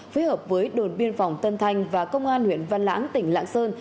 phối hợp với đồn biên phòng tân thanh và công an huyện văn lãng tỉnh lạng sơn